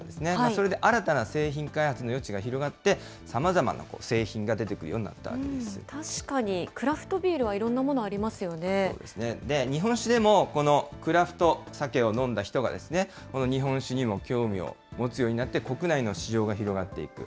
それで新たな製品開発の余地が広がって、さまざまな製品が出てく確かに、クラフトビールはい日本酒でも、このクラフトサケを飲んだ人が、この日本酒にも興味を持つようになって、国内の市場が広がっていく。